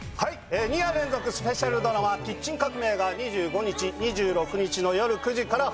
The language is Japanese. ２夜連続スペシャルドラマ『キッチン革命』が２５日２６日のよる９時から放送されます。